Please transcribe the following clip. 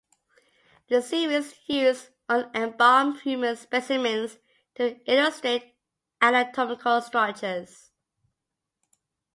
The series uses unembalmed human specimens to illustrate anatomical structures.